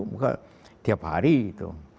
bukan tiap hari itu